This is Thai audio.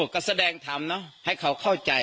ก็แสดงทำให้เขาเข้าใจ